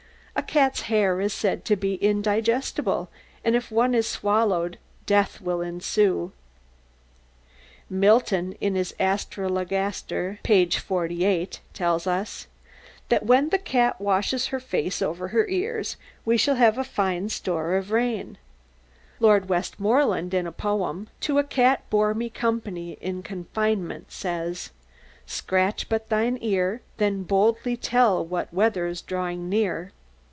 A cat's hair is said to be indigestible, and if one is swallowed death will ensue (Northern). Milton, in his "Astrologaster," p. 48, tells us: "That when the cat washes her face over her eares we shall have great store of raine." Lord Westmoreland, in a poem "To a cat bore me company in confinement," says: Scratch but thine ear, Then boldly tell what weather's drawing near.